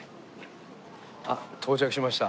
あっ到着しました。